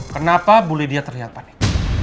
kenapa bu lydia terlihat panik